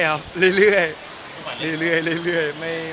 จริงคูลระหว่านหรือไง